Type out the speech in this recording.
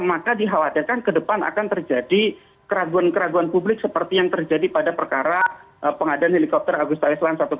maka dikhawatirkan ke depan akan terjadi keraguan keraguan publik seperti yang terjadi pada perkara pengadaan helikopter agusta island satu ratus dua belas